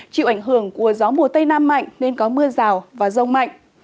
chịu ảnh hưởng của gió mùa tây nam mạnh nên có mưa rào và rông mạnh